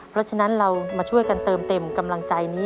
เพราะฉะนั้นเรามาช่วยกันเติมเต็มกำลังใจนี้